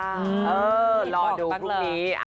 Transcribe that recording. เออรอดูรุ่นนี้